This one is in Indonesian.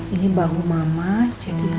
ini bahu mama jadi lebih enak